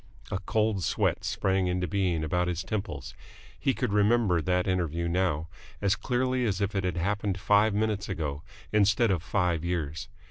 A cold sweat sprang into being about his temples. He could remember that interview now, as clearly as if it had happened five minutes ago instead of five years.